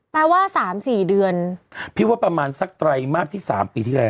แปลว่า๓๔เดือนพิมพ์ว่าประมาณสัก๓มารที่๓ปีที่แรก